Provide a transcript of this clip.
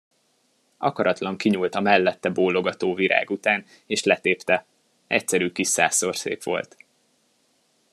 Akaratlan kinyúlt a mellette bólogató virág után, és letépte: egyszerű kis százszorszép volt.